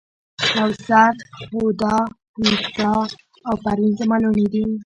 کوثر، هُدا، ویدا او پروین زما لوڼې دي.